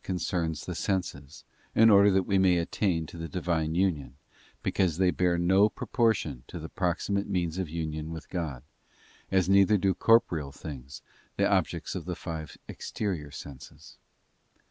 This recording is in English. concerns the senses, in order that we may attain to the Divine union, because they bear no proportion to the proxi mate means of union with God; as neither do corporeal things, the objects of the five exterior senses.